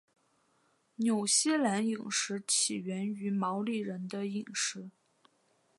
纽西兰饮食起源于毛利人的饮食。